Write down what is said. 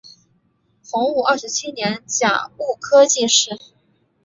洪武二十七年甲戌科进士。